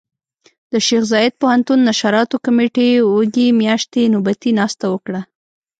د شيخ زايد پوهنتون نشراتو کمېټې وږي مياشتې نوبتي ناسته وکړه.